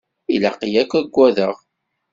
Ilaq-iyi ad k-agadeɣ?